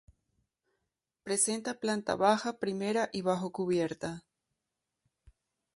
Presenta planta baja, primera y bajocubierta.